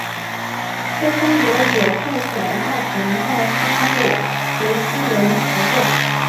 天方国也派遣大臣带方物随七人朝贡。